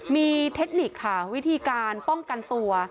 มีเทคนิคค่ะวิธีการป้องกันตัว